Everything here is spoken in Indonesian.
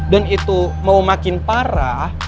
dan itu mau makin parah